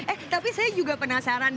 eh tapi saya juga penasaran